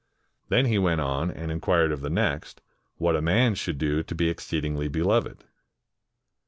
Then he went on and inquired of the next, what a man should do to be exceedingly beloved.